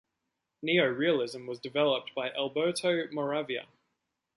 Neorealism was developed by Alberto Moravia.